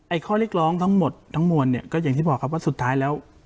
ข้อเรียกร้องทั้งหมดทั้งมวลเนี่ยก็อย่างที่บอกครับว่าสุดท้ายแล้ว